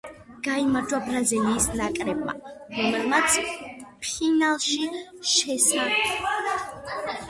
გაიმარჯვა ბრაზილიის ნაკრებმა, რომელმაც ფინალში ესპანეთი დაამარცხა.